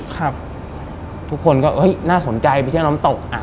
ครับทุกคนก็เฮ้ยน่าสนใจไปที่น้ำตกอ่ะ